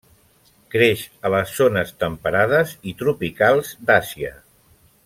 Creix a les zones temperades i tropicals d'Àsia.